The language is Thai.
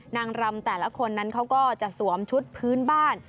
นางรำแต่ละคนนั้นเขาก็จะสวมชุดพื้นบ้าน